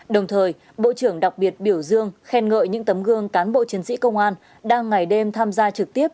đồng thời bộ trưởng đặc biệt biểu dương khen ngợi những tấm gương cán bộ chiến sĩ công an đang ngày đêm tham gia trực tiếp